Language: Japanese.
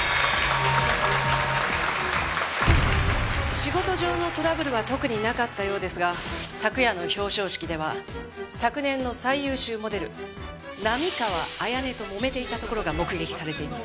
仕事上のトラブルは特になかったようですが昨夜の表彰式では昨年の最優秀モデル並河彩音ともめていたところが目撃されています。